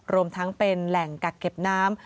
รวมทั้งเป็นแหล่งกักเก็บน้ำ